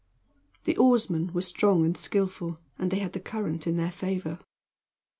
The oarsmen were strong and skillful, and they had the current in their favor.